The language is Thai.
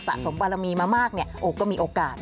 สะสมปารามีมามากเนี่ยโอ๊คก็มีโอกาส